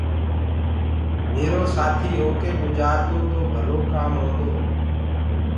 ميرو سآٿيٚ هوڪي گُجآردو تو ڀلو ڪآم هونٚدو